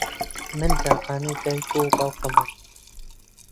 من تاقانەی دایک و باوکمم.